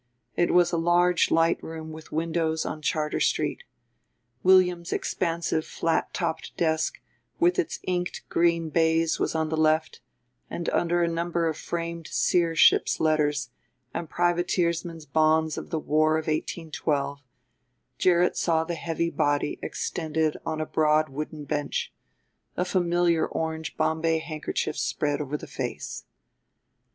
It was a large light room with windows on Charter Street. William's expansive flat topped desk with its inked green baize was on the left, and, under a number of framed sere ships' letters and privateersmen's Bonds of the War of 1812, Gerrit saw the heavy body extended on a broad wooden bench, a familiar orange Bombay handkerchief spread over the face.